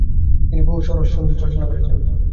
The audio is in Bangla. তিনি বহু সরস সঙ্গীত রচনা করেছেন।